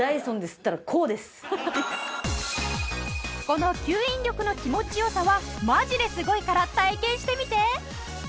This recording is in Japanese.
この吸引力の気持ち良さはマジですごいから体験してみて。